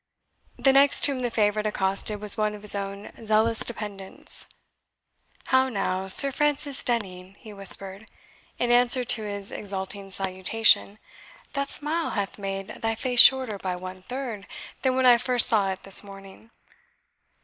The next whom the favourite accosted was one of his own zealous dependants. "How now, Sir Francis Denning," he whispered, in answer to his exulting salutation, "that smile hath made thy face shorter by one third than when I first saw it this morning.